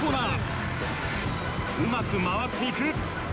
うまく回っていく。